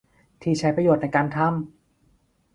ที่ใช้ประโยชน์ในการทำ